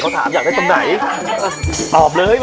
อะหางานให้กูจริงเลย